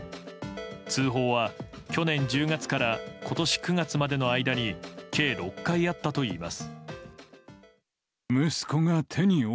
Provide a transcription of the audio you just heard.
通報は去年１０月から今年９月までの間に計６回あったといいます。